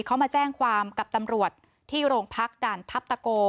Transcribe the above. เขามาแจ้งความกับตำรวจที่โรงพักด่านทัพตะโก